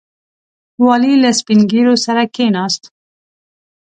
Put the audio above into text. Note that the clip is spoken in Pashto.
والي له سپین ږیرو سره کښېناست.